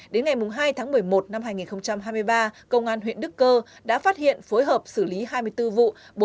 đến ngày hai tháng một mươi một năm hai nghìn hai mươi ba công an huyện đức cơ đã phát hiện phối hợp xử lý hai mươi bốn vụ